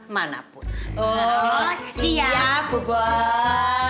saya harus dekat dengan perempuan